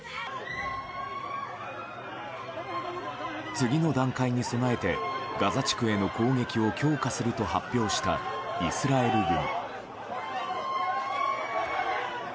次の段階に備えてガザ地区への攻撃を強化すると発表したイスラエル軍。